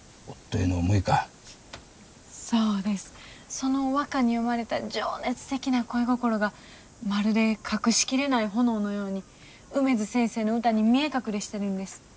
その和歌に詠まれた情熱的な恋心がまるで隠しきれない炎のように梅津先生の歌に見え隠れしてるんです。